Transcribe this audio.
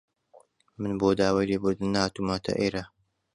من بۆ داوای لێبوردن هاتوومەتە ئێرە.